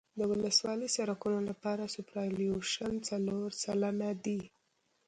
د ولسوالي سرکونو لپاره سوپرایلیویشن څلور سلنه دی